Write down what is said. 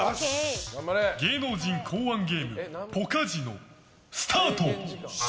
芸能人考案ゲームポカジノスタート！